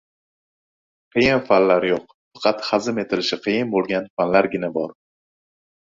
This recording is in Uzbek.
Qiyin fanlar yo‘q, faqat hazm etilishi qiyin bo‘lgan fanlargina bor.